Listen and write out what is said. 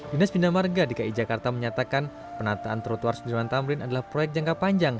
binas binda warga dki jakarta menyatakan penataan trotoar senjalan tamrin adalah proyek jangka panjang